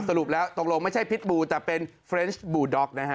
สรุปแล้วตกลงไม่ใช่พิษบูแต่เป็นเฟรนชบูด็อกนะฮะ